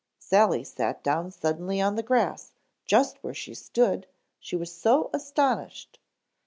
Sally sat down suddenly on the grass just where she stood, she was so astonished.